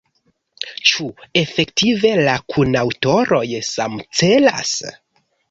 Ĉu efektive la kunaŭtoroj samcelas?